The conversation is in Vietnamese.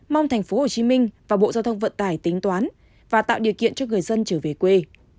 mong tp hcm và bộ giao thông vận tải tính toán và tạo điều kiện cho người dân trở về quê